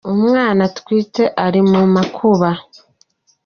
Umwana atwite ari mu makuba